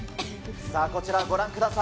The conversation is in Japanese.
こちら、ご覧ください。